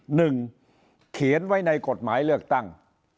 หนึ่งเขียนไว้ในกฎหมายเลือกตั้ง